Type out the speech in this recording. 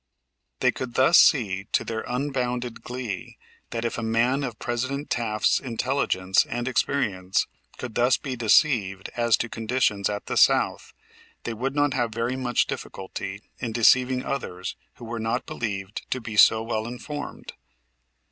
They could thus see to their unbounded glee that if a man of President Taft's intelligence and experience could thus be deceived as to conditions at the South, they would not have very much difficulty in deceiving others who were not believed to be so well informed.